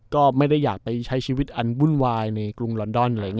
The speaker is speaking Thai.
ก็ไม่ได้อยากไปใช้ชีวิตอัดวุ่นวายในกรุงรอนดน